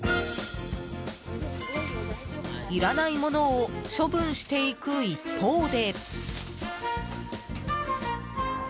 いらないものを処分していく一方で。